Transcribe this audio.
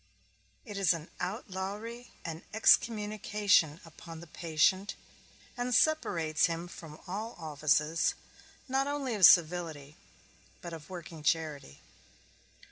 And it is an outlawry, an excommunication upon the patient, and separates him from all offices, not only of civility but of working charity.